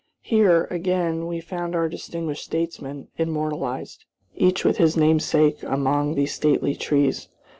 Here, again, we found our distinguished statesmen immortalized, each with his namesake among these stately trees.